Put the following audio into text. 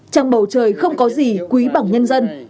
trong bầu trời không có gì quý bằng nhân dân